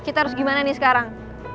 kita harus gimana nih sekarang